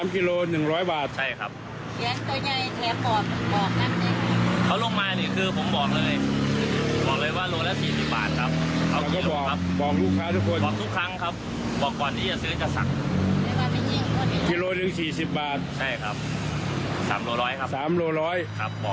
กิโล๑๔๐บาทใช่ครับ๓โลร้อยครับ๓โลร้อยครับ